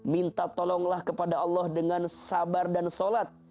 minta tolonglah kepada allah dengan sabar dan sholat